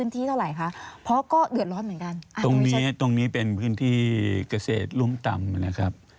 ตรงนี้เป็นพื้นที่เกษตรรุ่มต่ำนะครับ